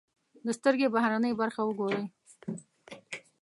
د سترکې بهرنۍ برخه و ګورئ.